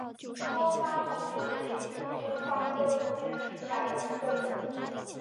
多花杜鹃为杜鹃花科杜鹃属下的一个种。